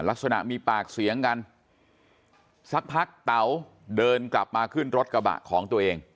ลักษณะมีปากเสียงกันสักพักเต๋าเดินกลับมาขึ้นรถกระบะของตัวเอง